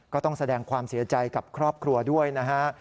ก็ต้องแสดงความเสียใจกับครอบครัวด้วยนะฮะ